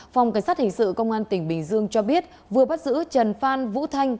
phòng cảnh sát hình sự công an tỉnh bình dương cho biết vừa bắt giữ trần phan vũ thanh